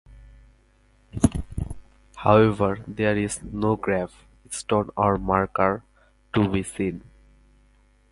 However, there is no grave-stone or marker to be seen.